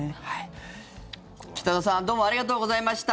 北里さんどうもありがとうございました。